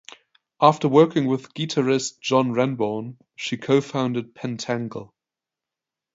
After working with guitarist John Renbourn, she co-founded Pentangle.